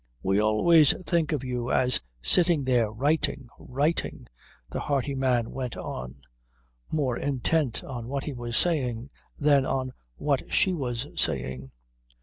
"We always think of you as sitting there writing, writing," the hearty man went on, more intent on what he was saying than on what she was saying.